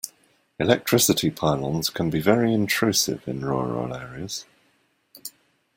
Electricity pylons can be very intrusive in rural areas